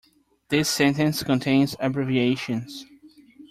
This sentence contains abbreviations.